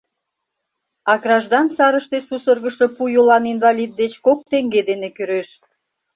А граждан сарыште сусыргышо пу йолан инвалид деч кок теҥге дене кӱреш.